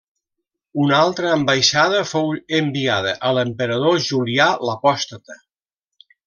Una altra ambaixada fou enviada a l'emperador Julià l'Apòstata.